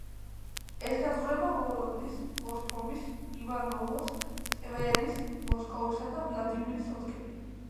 ესაზღვრება ვოლოგდის, კოსტრომის, ივანოვოს, ტვერის, მოსკოვისა და ვლადიმირის ოლქები.